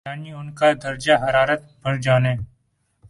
یعنی ان کا درجہ حرارت بڑھ جانے